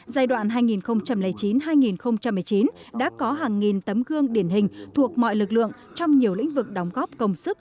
giai đoạn hai nghìn chín hai nghìn một mươi chín đã có hàng nghìn tấm gương điển hình thuộc mọi lực lượng trong nhiều lĩnh vực đóng góp công sức